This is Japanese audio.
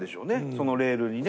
そのレールにね。